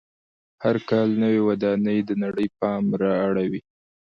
هر کال نوې ودانۍ د نړۍ پام را اړوي.